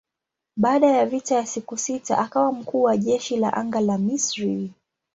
Baada ya vita ya siku sita akawa mkuu wa jeshi la anga la Misri.